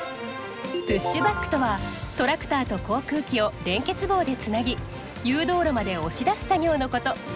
プッシュバックとはトラクターと航空機を連結棒でつなぎ誘導路まで押し出す作業のこと。